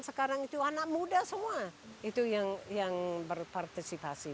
sekarang itu anak muda semua itu yang berpartisipasi